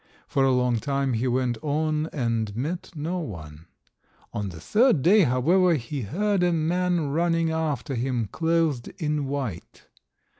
For a long time he went on and met no one. On the third day, however, he heard a man running after him, clothed in white.